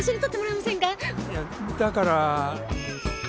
いやだから。